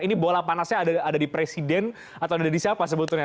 ini bola panasnya ada di presiden atau ada di siapa sebetulnya